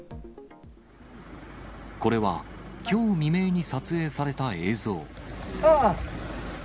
これは、きょう未明に撮影さあー！